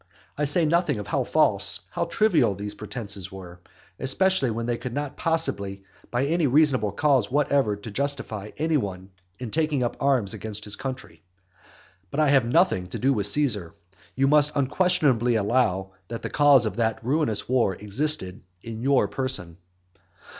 I say nothing of how false, how trivial these pretences were; especially when there could not possibly be any reasonable cause whatever to justify any one in taking up arms against his country. But I have nothing to do with Caesar. You must unquestionably allow, that the cause of that ruinous war existed in your person.